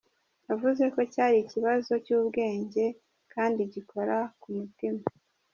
Yavuze ko cyari ikibazo cy'ubwenge kandi gikora ku mutima.